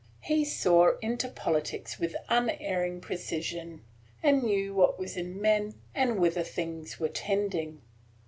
He saw into politics with unerring precision, and knew what was in men, and whither things were tending.